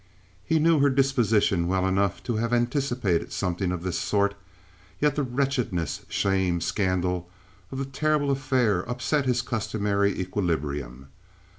He knew her disposition well enough to have anticipated something of this sort. Yet the wretchedness, shame, scandal of the terrible affair upset his customary equilibrium.